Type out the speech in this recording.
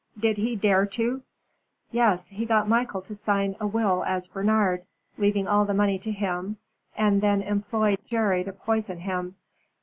"Did he dare to " "Yes. He got Michael to sign a will as Bernard, leaving all the money to him, and then employed Jerry to poison him.